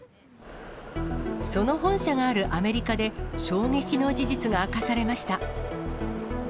その本社があるアメリカで、衝撃の事実が明かされました。